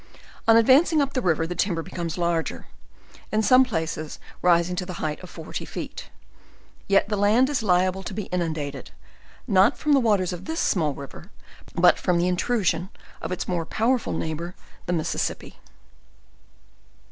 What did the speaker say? On advancing up the river, the timber becomes larger, in some places rising to the height of forty feet; jet the land is liable to be inundated,, not from the waters of this small river, but from the intm fkm of its more powerful neighbor the Mississippi.